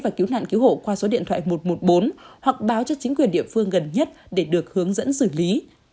và cứu nạn cứu hộ qua số điện thoại một trăm một mươi bốn hoặc báo cho chính quyền địa phương gần nhất để được hướng dẫn xử lý